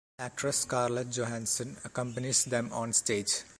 Actress Scarlett Johansson accompanies them on stage.